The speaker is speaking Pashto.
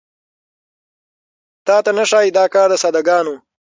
تاته نه ښايي دا کار د ساده ګانو